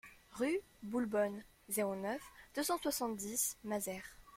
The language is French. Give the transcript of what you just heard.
Rue Boulbonne, zéro neuf, deux cent soixante-dix Mazères